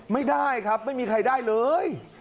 ไม่ได้ครับไม่มีใครได้เลย